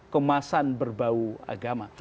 kemasan berbau agama